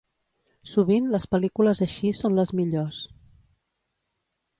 Sovint les pel·lícules així són les millors.